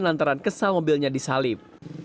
lantaran kesal mobilnya disalib